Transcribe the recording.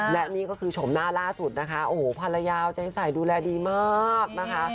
และนี่คือผู้ชมหน้าร่าสุดนะคะโหผ้ายาวใจใสดูแลดีมาก